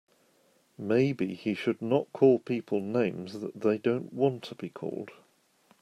Maybe he should not call people names that they don't want to be called.